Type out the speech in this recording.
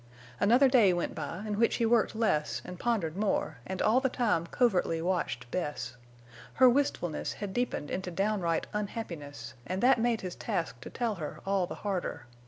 Another day went by, in which he worked less and pondered more and all the time covertly watched Bess. Her wistfulness had deepened into downright unhappiness, and that made his task to tell her all the harder.